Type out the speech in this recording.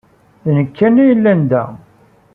D nekk kan ay yellan da.